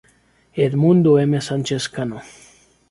Edmundo M. Sánchez Cano.